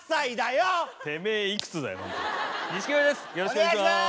よろしくお願いします。